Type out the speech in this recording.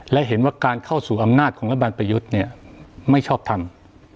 และเห็นว่าการเข้าสู่อำนาจของรัฐบาลประยุทธ์เนี่ยไม่ชอบทำ